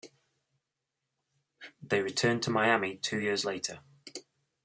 They returned to Miami two years later.